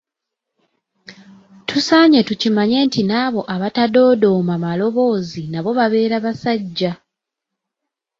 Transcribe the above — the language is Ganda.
Tusaanye tukimanye nti n'abo abatadoodooma maloboozi nabo babeera basajja.